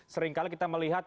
seringkali kita melihat